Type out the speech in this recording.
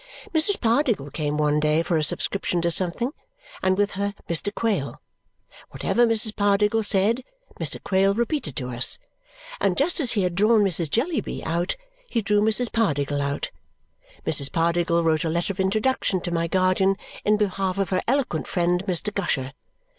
Mrs. Pardiggle came one day for a subscription to something, and with her, Mr. Quale. Whatever Mrs. Pardiggle said, Mr. Quale repeated to us; and just as he had drawn Mrs. Jellyby out, he drew Mrs. Pardiggle out. Mrs. Pardiggle wrote a letter of introduction to my guardian in behalf of her eloquent friend Mr. Gusher.